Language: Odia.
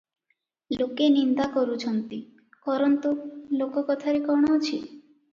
ଲୋକେ ନିନ୍ଦା କରୁଛନ୍ତି, କରନ୍ତୁ, ଲୋକ କଥାରେ କଣ ଅଛି?